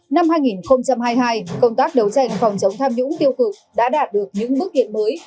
năm hai nghìn hai mươi hai công tác đấu tranh phòng chống tham nhũng tiêu cực đã đạt được những bước kiện mới